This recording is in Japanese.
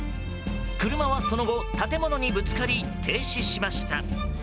車は、その後建物にぶつかり停止しました。